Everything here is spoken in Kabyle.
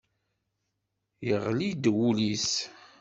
Yeɣli-d wul-is.